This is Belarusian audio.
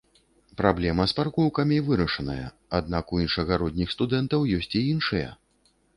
Праблема з паркоўкамі вырашаная, аднак у іншагародніх студэнтаў ёсць і іншыя.